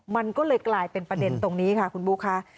มันก็เลยกลายเป็นประเด็นตรงนี้ค่ะคุณบุ๊คค่ะ